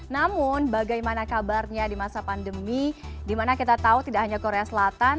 namun bagaimana kabarnya di masa pandemi di mana kita tahu tidak hanya korea selatan